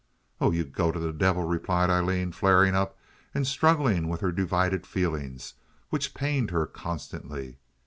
"Oh, you go to the devil!" replied Aileen, flaring up and struggling with her divided feelings, which pained her constantly.